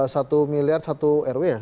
satu miliar satu rw ya